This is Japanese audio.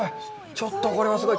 ちょっとこれはすごい。